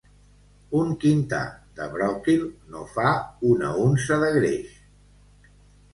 Un quintar de bròquil no fa una unça de greix.